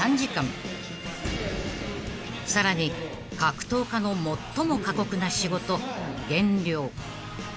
［さらに格闘家の最も過酷な仕事減量］